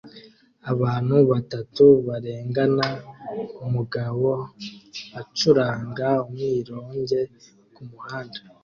Abantu batatu barengana umugabo ucuranga umwironge kumuhanda